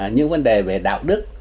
những vấn đề về đạo đức